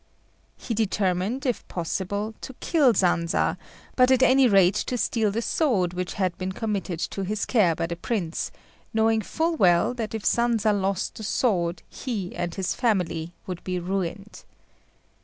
He determined, if possible, to kill Sanza, but at any rate to steal the sword which had been committed to his care by the Prince, knowing full well that if Sanza lost the sword he and his family would be ruined.